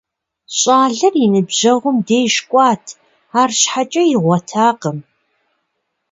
ЩӀалэр и ныбжьэгъум деж кӀуат, арщхьэкӀэ игъуэтакъым.